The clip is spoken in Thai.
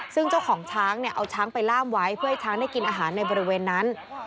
ซึ่งเจ้าของช้างเนี่ยเอาช้างไปล่ามไว้เพื่อให้ช้างได้กินอาหารในบริเวณนั้น